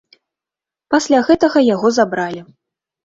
Пасля гэтага яго забралі.